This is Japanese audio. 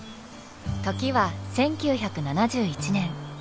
時は１９７１年。